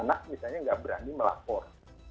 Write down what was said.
anak misalnya nggak berani melapor